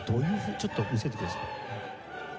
ちょっと見せてください。